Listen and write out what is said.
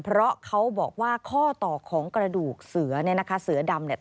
เพราะเขาบอกว่าข้อต่อของกระดูกเสือเนี่ยนะคะเสือดำเนี่ย